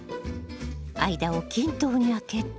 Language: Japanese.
間を均等に空けて。